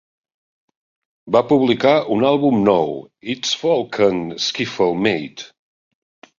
Va publicar un àlbum nou: "It's Folk 'n' Skiffle, Mate!"